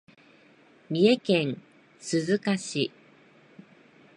三重県鈴鹿市